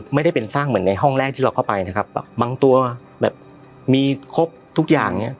ไม่ได้เป็นสร้างเหมือนในห้องแรกที่เราเข้าไปนะครับแบบบางตัวแบบมีครบทุกอย่างเนี้ย